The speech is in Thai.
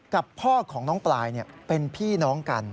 กับพ่อของน้องปลายเนี่ยเป็นพี่น้องกัน